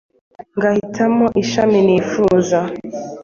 ngahitamo ishami nifuza.